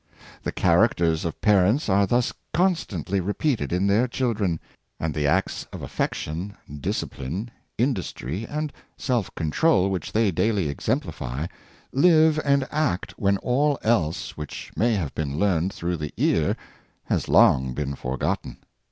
The characters of parents are thus constantly repeated in their children; and the acts of affection, discipline, industry, and self control, which they daily exemplify, live and act when all else which may have been learned through the ear has long been forgotten.